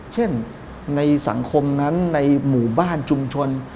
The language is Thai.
เช่นในสังคมนั้นในหมู่บ้านชุมชน